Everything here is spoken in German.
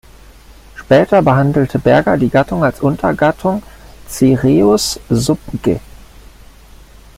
Später behandelte Berger die Gattung als Untergattung "Cereus" subg.